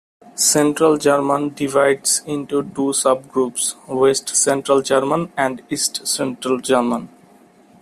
Central German divides into two subgroups, West Central German and East Central German.